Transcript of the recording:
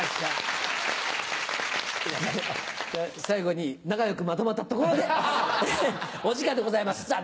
最後に仲良くまとまったところでお時間でございます